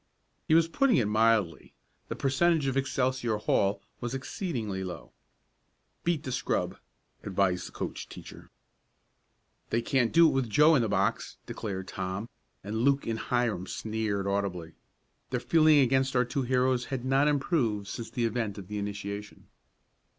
He was putting it mildly. The percentage of Excelsior Hall was exceedingly low. "Beat the scrub!" advised the coach teacher. "They can't do it with Joe in the box!" declared Tom; and Luke and Hiram sneered audibly. Their feeling against our two heroes had not improved since the event of the initiation.